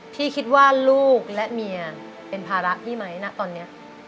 คิดว่าลูกและเมียเป็นภาระพี่ไหมณตอนนี้